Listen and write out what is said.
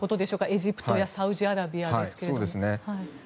エジプトやサウジアラビアですが。